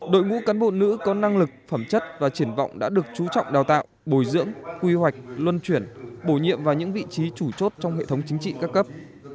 đội ngũ cán bộ nữ có năng lực phẩm chất và triển vọng đã được chú trọng đào tạo bồi dưỡng quy hoạch luân chuyển bổ nhiệm vào những vị trí chủ chốt trong hệ thống chính trị ca cấp